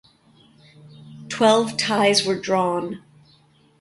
Twelve ties were drawn.